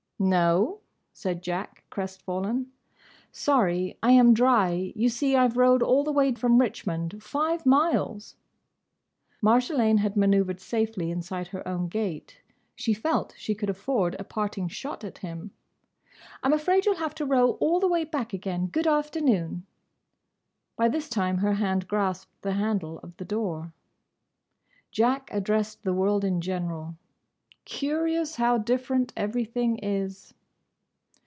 "No?" said Jack, crestfallen. "Sorry. I am dry. You see, I 've rowed all the way from Richmond. Five miles." Marjolaine had manoeuvred safely inside her own gate. She felt she could afford a parting shot at him. "I 'm afraid you 'll have to row all the way back again. Good afternoon." By this time her hand grasped the handle of the door. Jack addressed the world in general. "Curious, how different everything is."